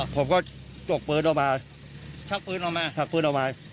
ผมก็จวกพื้นออกมา